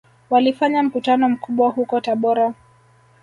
Walifanya mkutano mkubwa huko Tabora